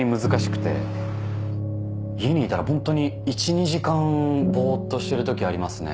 家にいたらホントに１２時間ぼーっとしてるときありますね。